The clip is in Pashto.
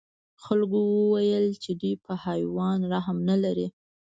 خلکو وویل چې دوی په حیوان رحم نه لري.